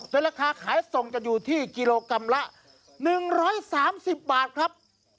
โดยราคาขายส่งจะอยู่ที่กิโลกรัมละ๑๓๐บาทครับ